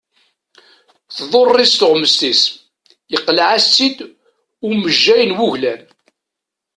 Tḍurr-it tuɣmest-is, yeqleɛ-as-tt-id umejjay n wuglan.